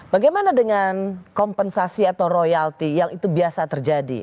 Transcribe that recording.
bagaimana dengan kompensasi atau royalti yang itu biasa terjadi